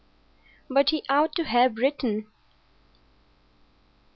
But he ought to have written."